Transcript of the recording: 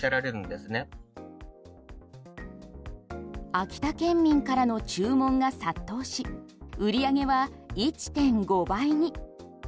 秋田県民からの注文が殺到し売り上げは１．５倍に。